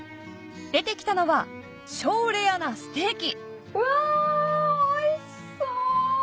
出てきたのは超レアなステーキうわおいしそう！